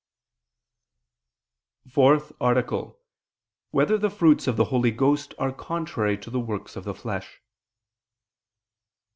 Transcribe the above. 4] Whether the Fruits of the Holy Ghost Are Contrary to the Works of the Flesh?